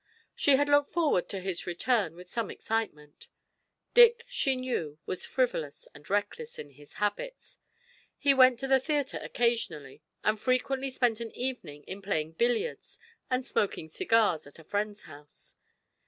She had looked forward to his return with some excitement. Dick, she knew, was frivolous and reckless in his habits he went to the theatre occasionally and frequently spent an evening in playing billiards and smoking cigars at a friend's house.